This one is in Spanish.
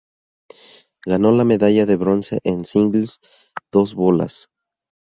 Ganó la medalla de bronce en singles, dos bolas.